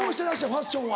ファッションは。